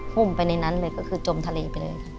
ุ่มไปในนั้นเลยก็คือจมทะเลไปเลยค่ะ